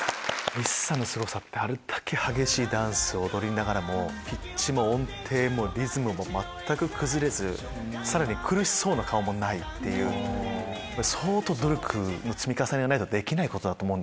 ＩＳＳＡさんのすごさってあれだけ激しいダンスを踊りながらもピッチも音程もリズムも全く崩れずさらに苦しそうな顔もないっていう相当努力の積み重ねがないとできないことだと思うんですけど。